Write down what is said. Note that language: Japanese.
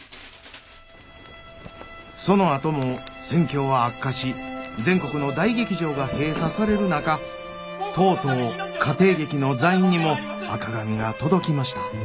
そのあとも戦況は悪化し全国の大劇場が閉鎖される中とうとう家庭劇の座員にも赤紙が届きました。